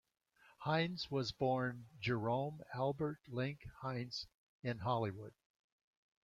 Hines was born Jerome Albert Link Heinz in Hollywood.